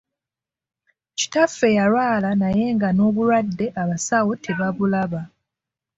Kitaffe yalwala naye nga n’obulwadde abasawo tebabulaba.